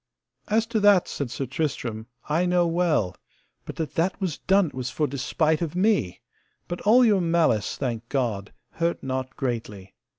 As to that, said Sir Tristram, I know well; but that that was done it was for despite of me, but all your malice, I thank God, hurt not greatly.